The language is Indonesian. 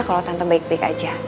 kalau tante baik baik aja